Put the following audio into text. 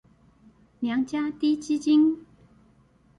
娘家滴雞精